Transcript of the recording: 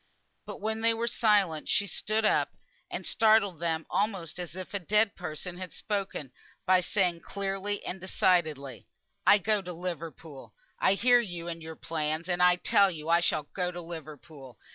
But when they were silent she stood up, and startled them almost as if a dead person had spoken, by saying clearly and decidedly "I go to Liverpool. I hear you and your plans; and I tell you I shall go to Liverpool.